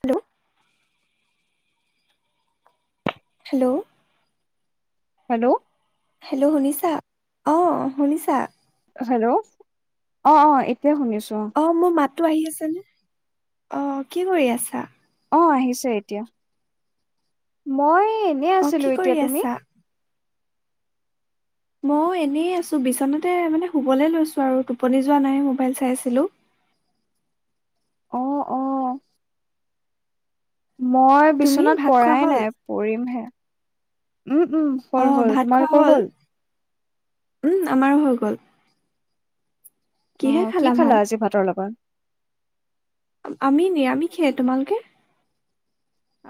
Hello hello hello hello শুনিছা অ শুনিছা? হেল্ল' অ অ। এতিয়া শুনিছো অ। মাততো আহি আছে নে? অ কি কৰি আছা? অ আহিছে এতিয়া। মই এনে অ' আছিলো কি এতিয়া। কৰি তুমি? আছা? মই এনেই আছো বিচনাতে মানে শুবলে লৈছোঁ আৰু। টোপনি যোৱা নাই মোবাইল চাই আছিলো। অ অ। মই তুমি বিচনাত ভাত খোৱা পৰাই হ'ল? নাই পৰিম হে। উম উম অ' হ'ল হ'ল। ভাত খোৱা তোমালোকৰ হ'ল? উম আমাৰো হৈ গ'ল। অ কিহে কি ভাত? খালা আজি ভাতৰ লগত? আমি নিৰামিখে। তোমালোকে?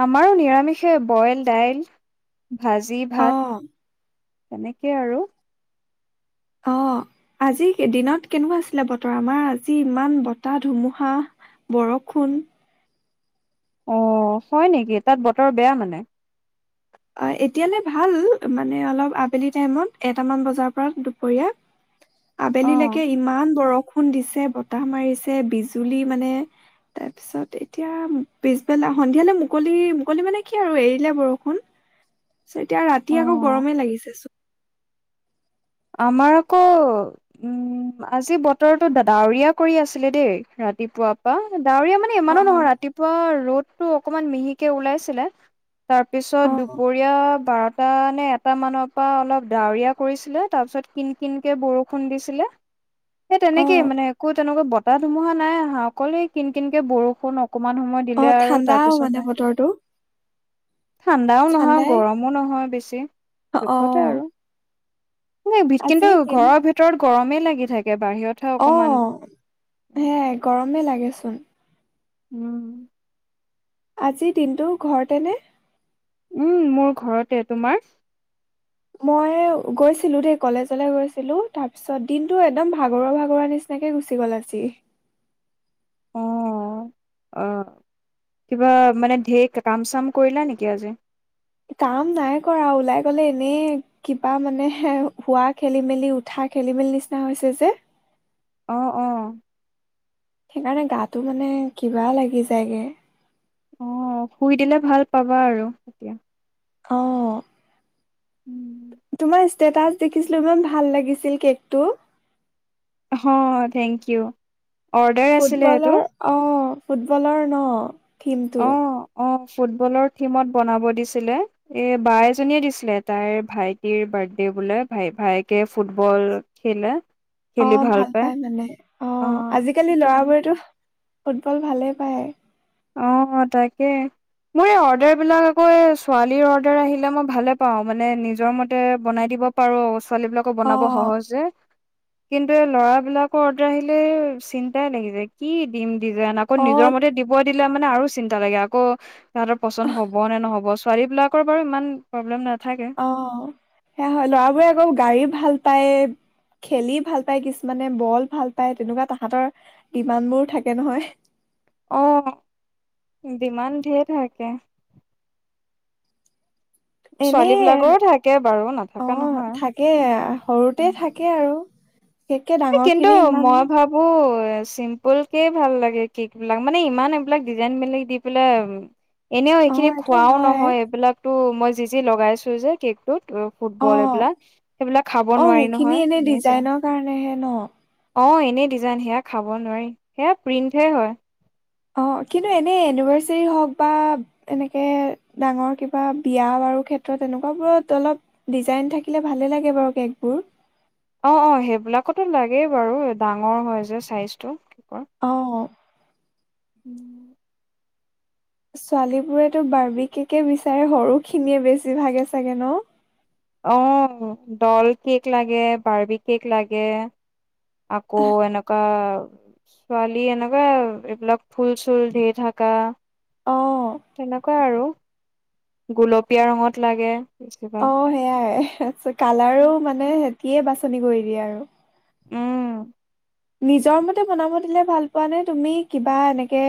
আমাৰো নিৰামিষে, বইল দাইল। ভাজি ভাত। অ' তেনেকে আৰু। অ আজি দিনত কেনেকুৱা আছিলে বতৰ? আমাৰ আজি ইমান বতাহ, ধুমুহা, বৰষুণ। অ হয় নেকি? তাত বতৰ বেয়া মানে? অ এতিয়ালৈ ভাল। মানে অলপ আবেলি টাইমত এটামান বজাৰ পৰা দুপৰীয়া। অ আবেলিলৈকে ইমান বৰষুণ বৰষুণ দিছে, বতাহ মাৰিছে, বিজুলী মানে তাৰপিছত এতিয়া পিছবেলা সন্ধিয়ালৈ মুকলি-মুকলি মানে কি আৰু এৰিলে বৰষুণ। এতিয়া ৰাতি আকৌ অ গৰমে লাগিছে চোন আমাৰ আকৌ, উম, আজি বতৰটো ডাৱৰীয়া কৰি আছিলে দেই, ৰাতিপুৱা পা ডাৱৰীয়া মানে অ ইমানো নহয় ৰাতিপুৱা ৰ'দ তটো অকমান মিহিকে ওলাইছিলে। অ তাৰপিছত দুপৰীয়া বা তানে এটা মানৰ পৰা অলপ ডাৱৰীয়া কৰিছিলে। তাৰপিছত, কিন-কিনকে বৰষুণ দিছিলে। সেই অ তেনেকেই মানে একো তেনেকা ব বতাহ-ধুমুহা নাই অহা, অকল এই কিন- কিনকে বৰষুণ অকমান সময় অ দিলে আৰু ঠাণ্ডাও তাৰপিছত মানে নাই, বতৰটো ঠাণ্ডাও নহয়, ঠাণ্ডাই গৰমো নহয় বেছি, অ জোখতে আৰু আজি কিন্তু, দিন ঘৰৰ ভিতৰত গৰমেই লাগে শুই থাক। অ, সেয়াই গৰমে লাগেচোন। উম। আজিৰ দিনটো ঘৰতে নে? উম, মই ঘৰতে, তোমাৰ মই গৈছিলো দেই কলেজলৈ গৈছিলো, তাৰ পিছত দিনটো একদম ভাগৰুৱা-ভাগৰুৱা নিচিনাকে গুচি গ'ল আজি। অ-অ, কিবা মানে ঢেৰ কাম-চাম কৰিলা নেকি আজি? কাম নাই কৰা আৰু ওলাই গলে এনেই কিবা মানে শোৱা খেলি-মেলি, উঠা খেলি-মেলি নিচিনা হৈছে যে। অ-অ সেইকাৰণে, গাটো মানে কিবা লাগি যায়গে অ, শুই দিলে ভাল পাবা আৰু এতিয়া অ উম তোমাৰ ষ্টেটাচ দেখিছিলো, ইমান ভাল লাগিছিল কেকটো। অ, থেংক ইউ। অৰ্ডাৰ আছিলে এইটো ফুটবলৰ, অ ফুটবলৰ ন? কিন্তু অ অ ফুটবলৰ থিমত বনাব দিছিলে, এ বা এজনীয়ে দিছিলে, তাইৰ ভাইটিৰ বাৰ্থডে বোলে ভাই-ভায়েকে ফুটবল খেলে। খেলি অহ, ভাল পায় পাই মানে অ, আজিকালি সেইটো কাৰণে লৰাবোৰেতো ফুটবল ভালেই পায়। অ তাকে, মোৰ এই অৰ্ডাৰ বিলাক আকৌ এই ছোৱালীৰ অৰ্ডাৰ আহিলে মই ভালে পাওঁ, মানে নিজৰ মতে বনাই দিব পাৰো। ছোৱালী বিলাকক অ বনাব সহজে। কিন্তু, ল'ৰাবিলাকৰ অৰ্ডাৰ আহিলে চিন্তাই লাগি যায়, কি দিম? ডিজাইন, আকৌ অ নিজৰ মতে দি ব দিলে মানে আৰু চিন্তা লাগে আকৌ তাহতৰ পচন্দ হব নে নহ'ব ছোৱালী বিলাকৰ বাৰু ইমান প্ৰব্লেম না। অ সেয়া হয় লৰাবোৰে আকৌ গাড়ী ভাল ভাল পায় খেলি ভাল পায় কিছুমানে বল ভাল পায় তেনেকুৱা তাহাঁতৰ কিমান বোৰ থাকে নহয়। আহ দিমান ধেৰ থাকে ছোৱালী এনেই বিলাকৰো থাকে বাৰু অ নাথকা নহয় আৰু থাকে এনেকে সৰুতে উম থাকে আৰু বিশেষকে ডাঙৰ কিন্তু খিনি ইমান মই ভাবো চিম্পুল কে ভাল লাগে কেক বিলাক মানে ইমান এইবিলাক ডিজাইন বিলাক দি পেলাই এনেও অ এইখিনি এইটো খোৱাও হয় নহয় এইবিলাক ত মই যি যি লগাইছো যে কেকটোত ত অ ফুটবল এইবিলাক সেইবিলাক খাব অ নোৱাৰি সেইখিনি নহয় এনে চাই ডিজাইনৰ কাৰণেহে ন অ এনেই ডিজাইন সেয়া খাব নোৱাৰি সেয়া প্ৰিন্টহে হয় অঁ কিন্তু এনেই এনিভাৰ্চাৰী হওক বা এনেকে ডাঙৰ কিবা বিয়া বাৰু ক্ষেত্ৰত এনেকুৱাবোৰত অলপ ডিজাইন থাকিলে ভালেই লাগে বাৰু কেকবোৰ অ অ সেইবিলাকতো লাগেই বাৰু ডাঙৰ হয় যে চাইজটো অ উম ছোৱালীবোৰেতো বাৰ্বিকেকে বিচাৰে সৰুখিনিয়ে বেছি ভাগে চাগে ন অ দল কেক লাগে বাৰ্বি কেক লাগে আকৌ এনকা ছোৱালী এনেকুৱা এইবিলাক ফুল চুল দি থকা অ', তেনেকুৱাই আৰু গুলপীয়া ৰঙত লাগে অ বেছিভাগ সেইয়াই তাৰ কালাৰো মানে সিয়ে বাছনি কৰি দিয়ে আৰু উম নিজৰ মতে বনাব দিলে ভাল পোৱা নে তুমি কিবা এনেকে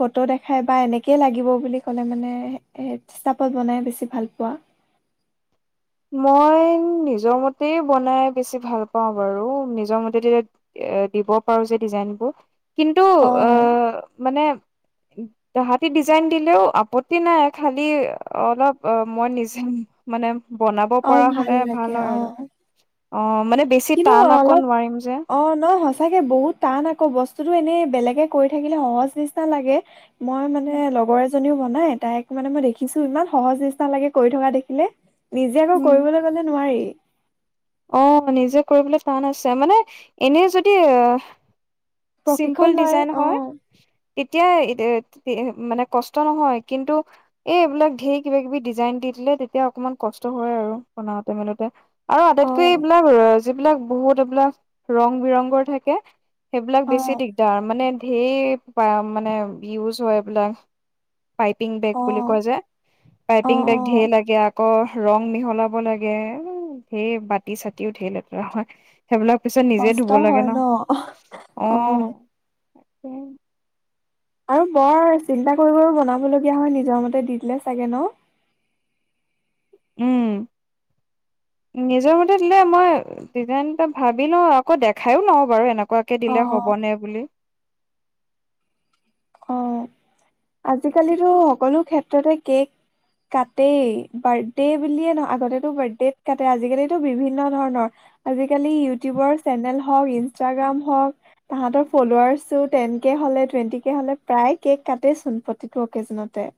ফটো দেখাই বা এনেকেই লাগিব বুলি ক'লে মানে বনাই বেছি ভাল পোৱা মই নিজৰ মতে বনাই বেছি ভাল পাওঁ বাৰু নিজৰ মতে তেতিয়া এ দিব পাৰো যে ডিজাইনবোৰ। কিন্তু আ অ', মানে তাহতি ডিজাইন দিলেও আপত্তি নাই খালি অলপ মই নিজে মানে বনাব অ', পৰা হলে ভাল লাগে হয় আৰু অ', অ মানে বেছি কিন্তু টান আকৌ অলপ নোৱাৰিম যে অ ন সচাকে বহুত টান আকৌ বস্তু বস্তুটো এনেই বেলেগে কৰি থাকিলে সহজ নিচিনা লাগে মই মানে লগৰ এ এজনী ও বনাই তাইক মানে মই দেখিছো ইমান সহজ নিচিনা লাগে কৰি থকা দেখিলে নিজে আকৌ উম কৰিবলৈ গলে নোৱাৰি অ' নিজে কৰিবলৈ টান আছে। মানে এনে যদি অ' প্ৰশিক্ষণ চিম্পুল লয় ডিজাইন অ হয়, তেতিয়া মানে কষ্ট নহয়। কিন্তু এইবিলাক ঢেৰ কিবা-কিবি ডিজাইন দি দিলে, তেতিয়া অকমান কষ্ট হয় আৰু। বনাওঁতে - মেলোতে। আৰু আটাইতকৈ অ'। এইবিলাক যিবিলাক বহুত এইবিলাক ৰং-বিৰংগৰ থাকে, সেইবিলাক অ বেছি দিগদাৰ, মানে ঢেৰ প- মানে ইউজ হয় এইবিলাক। পাইপিং বেগ অ বুলি কয় যে, অ পাইপিং বেগ অ ঢেৰ লাগে আ আক' ৰং মিহলাব লাগে। সেই ব তি-চাতিও ঢেৰ লেতেৰা হয়। সেইবিলাক পিছত নিজে কষ্ট ধুব লাগে হয় ন'। অ'। তাকে। আৰু বৰ চিন্তা কৰি - কৰি বনাবলগীয়া হয়, নিজৰ মতে দি দিলে চাগে, ন'? উম। নিজৰ মতে দিলে মই ডিজাইন এটা ভাবি লওঁ, আকৌ দেখায়ো লওঁ বাৰু, এনে কুৱাকে অ দিলে হ'বনে বুলি। অ আজিকালিতো সকলো ক্ষে ততে কেক কাটেয়ে। বাৰ্থডে বুলিয়ে নহয়- আগতেতো বাৰ্থডেত কাটে। আজিকালিতো বিভিন্ন ধৰণৰ। আজিকালি ইউটিউবৰ চেনেল হওঁক, ইনষ্টাগ্ৰাম হওঁক তাহাঁতৰ ফলোৱাৰ্চো টেন কে হ'লে, টুৱেন্টি কে হ'লে প্ৰায় কেক কাটেচোন, প্ৰতিটো অকেজনতে।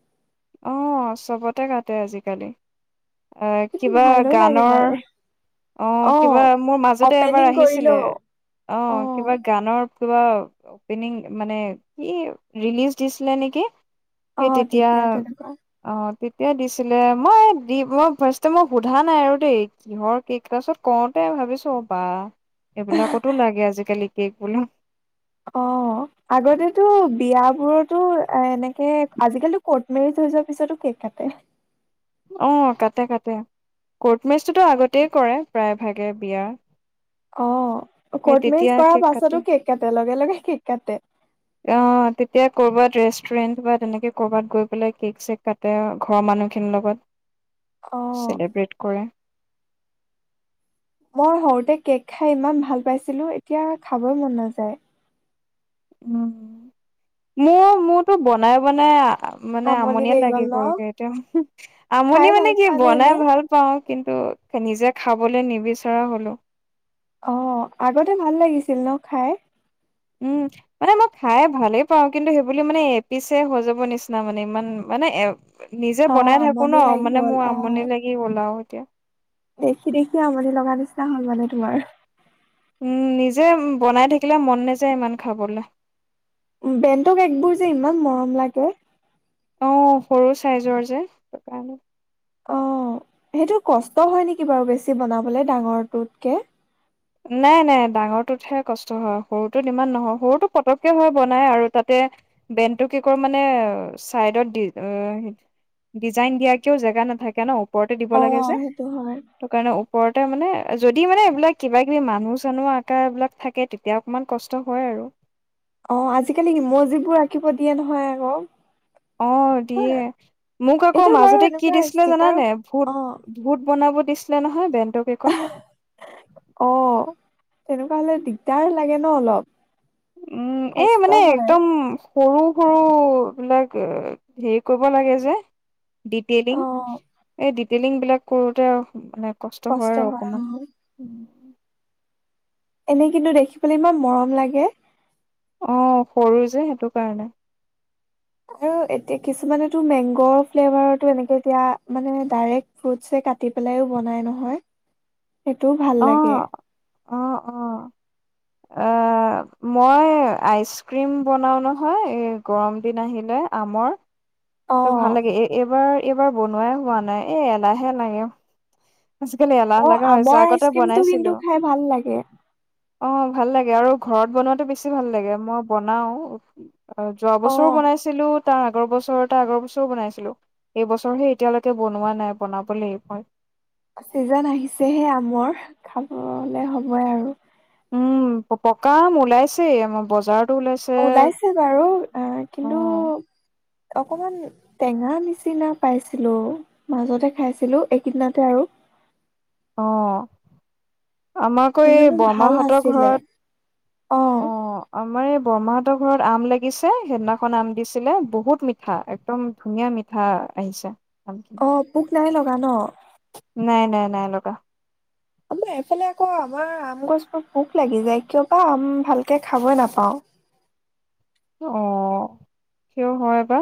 অ' চবতে কাটে আজিকালি। অ' কিন্তু কিবা ভালো লাগে গানৰ বাৰু অ' কিবা মোৰ মাজতে এবাৰ অপেনিং আহিছিলে। কৰিলেও অ' কিবা গানৰ কিবা অপেনিং মানে কি ৰিলিজ দিছিলে নেকি? অ সেই তেতিয়া তেনেকুৱা অ' তেতিয়া দিছিলে। মই দি- মই ফাৰ্ষ্টে মই সোধা নাই আৰু দেই, কিহৰ কেক। তাৰছত কওঁতে ভাবিছোঁ বাহ এইবিলাকতো লাগে আজিকালি কেক বোলো। অ' আগতেতো বিয়াবোৰতো এনে কেক আজিকালি কৰ্ট মেৰিজ হৈ যোৱাৰ পিছতো কেক কাটে। অ' কাটে - কাটে। কৰ্ট মেৰিজটোতো আগতেই কৰে, প্ৰায় ভাগে বিয়া। অ' কৰ্ট মেৰিজ কৰাৰ কেক কাটে। পাছতো কেক কাটে। লগে-লগে কেক কাটে। অ' তেতিয়া কৰ'বাত ৰেষ্টুৰেণ্ট বা তেনেকে ক'ৰবাত গৈ পেলাই কেক-চেক কাটে, ঘৰৰ মানুহখিনিৰ লগত। অ চেলিব্ৰেট কৰে মই সৰুতে কেক খাই ইমান ভাল পাইছিলো এতিয়া খাবই মন নাযায় উম মোৰ মোৰতো বনাই বনাই মানে আমনিয়ে লাগি গল এতিয়া খাই আমনি ভাল মানে কি পোৱা নে বনাই এনেই? ভাল পাও কিন্তু নিজে খাবলৈ নিবিচৰা হলো অ আগতে ভাল লাগিছিল ন খায় উম মানে মই খাই ভালেই পাওঁ কিন্তু সেইবুলি মানে এপিছে হৈ যাব নিচিনা মানে ইমান মানে এ নিজে অ বনাই থাকো ন আমনি লাগি মানে গ'ল মোৰ অ আমনি লাগি গল আও কে দেখি দেখি আমনি লগা নিচিনা হল মানে তোমাৰ উম নিজে বনাই থাকিলে মন নাযায় ইমান খাবলে বেণ্টৰ কেকবোৰ যে ইমান মৰম লাগে অহ সৰু চাইজৰ যে অ সেইটো কষ্ট হয় নেকি বাৰু বেছি বনাবলে ডাঙৰটোতকে নাই নাই ডাঙৰটোতহে কষ্ট হয় সৰুটো ইমান নহয় সৰুটো পতককে হয় বনাই আৰু তাতে বেণ্ডটো কি কয় মানে চাইডত ডিজাইন দিয়াকেও জেগা নাথাকে ন ওপৰতে দিব অ লাগে যে সেইটো হয়। তো কাৰণে ওপৰতে মানে যদি মানে এইবিলাক কিবা কিবি মানুহ চানুহ আকা এইবিলাক থাকে তেতিয়া অকমান কষ্ট হয় আৰু অ আজিকালি ইমৌজিবোৰ আঁকিব দিয়ে নহয় আকৌ অ দিয়ে মোক আকৌ এইটো বাৰু মাজতে কি এনেকুৱা দিছিলে ষ্টিকাৰ জানানে ভূত অ ভূত বনাব দিছিলে নহয় বেন্ডৰ কেকত তেনেকোৱা হলে দিগদাৰ লাগে ন অলপ উম এই কষ্ট মানে হয় একদম সৰু সৰু বিলাক হেৰি কৰিব লাগে যে ডিটেইলিং অ এই ডিলিং বিলাক কৰোঁতে মানে কষ্ট হয় আৰু অকমান এনে কিন্তু দেখিবলৈ ইমান মৰম লাগে অ সৰু যে সেইটো কাৰণে আৰু এতিয়া কিছুমানেতো মেংগ ফ্লেভাটো এনেকে এতিয়া মানে ডাইৰেক্ট ফ্ৰোটছে কাটি পেলাইও বনাই নহয় সেইটোও ভাল লাগে অহ অ অ মই আইচক্ৰীম বনাওঁ নহয় এই গৰম দিন আহিলে আমৰ অ ত ভাল লাগে এ এইবাৰ এইবাৰ বনোৱাই হোৱা নাই এ এলাহে লাগে আজিকালি এলাহ অ লগা হৈছে আমৰ আগতে আইচক্ৰীমটো বনাইছিলো কিন্তু খাই ভাল লাগে অ' ভাল লাগে আৰু ঘৰত বনোৱাতো বেছি ভাল লাগে মই বনাও অ' যোৱা অ বছৰো বনাইছিলো। তাৰ আগৰ বছৰটা আগৰ বছৰো বনাইছিলো এইবছৰহে এতিয়ালৈকে বনোৱা নাই বনাবলৈ মই চিজন আহিছেহে আমৰ খাবলে হবই আৰু উম পকা আম ওলাইছে আমাৰ বজাৰত ওলাইছে বাৰু আহ কিন্তু অ', অকমান টেঙা নিচিনা পাইছিলো মাজতে খাইছিলো এইকেই দিনতে আৰু আমাৰাকৌ এই ইমানো ভাল বৰমাহতৰ নাছিলে ঘৰত অ' আমাৰ এই বৰমাহতৰ ঘৰত আম লাগিছে সেইদিনাখন আম দিছিলে বহুত মিঠা একদম ধুনীয়া মিঠা আহিছে আমখিনি। অ' পোক নাই ল জ ন [inaudible] নাই নাই নাই লগা। আমাৰ এইফালে আকৌ আমাৰ আম গছবোৰ ভোক লাগি যায় কিয় বা আম ভালকে খাবই নাপাওঁ‌। অ' সেই হয় বা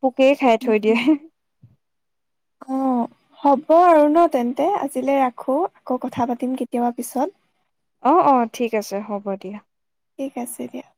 পোকেই খাই থৈ দিয়ে। উম অ' হ'ব আৰু ন তেন্তে আজিলৈ ৰাখো আকৌ কথা পাতিম কেতিয়াবা পিছত অ' অ' ঠিক আছে হ'ব দিয়া। ঠিক আছে দিয়া। ‌